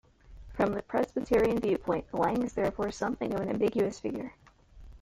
From the Presbyterian viewpoint Lang is therefore something of an ambiguous figure.